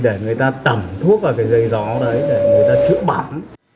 để người ta tẩm thuốc ở cái giấy gió đấy để người ta chữa bản